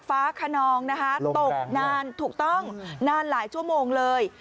ฟ้าขนองนะคะตกนานถูกต้องนานหลายชั่วโมงเลย